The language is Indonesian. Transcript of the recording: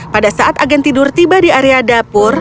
pada saat agen tidur tiba di area dapur